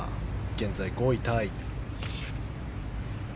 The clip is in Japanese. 現在５位タイ。